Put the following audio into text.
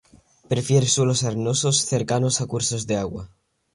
Prefiere suelos arenosos cercanos a cursos de agua.